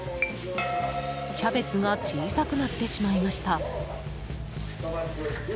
キャベツが小さくなってしまいました。